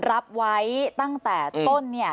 รับไว้ตั้งแต่ต้นเนี่ย